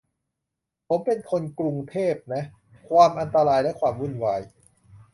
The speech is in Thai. ผมเป็นคนกรุงเทพนะ ความอันตราย และความวุ่นวาย